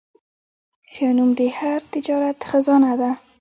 ښه نوم د هر تجارت خزانه ده.